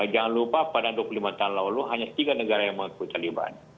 jangan lupa pada dua puluh lima tahun lalu hanya tiga negara yang mengakui taliban